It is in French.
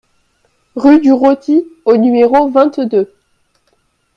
Rue du Roty au numéro vingt-deux